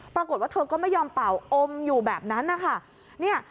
ปรากฏว่าเธอก็ไม่ยอมเป่าอมอยู่แบบนั้นนะคะ